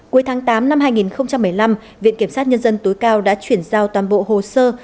cuối tháng tám năm hai nghìn một mươi năm viện kiểm sát nhân dân tối cao đã chuyển giao toàn bộ hồ sơ